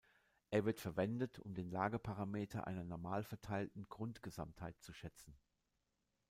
Er wird verwendet, um den Lageparameter einer normalverteilten Grundgesamtheit zu schätzen.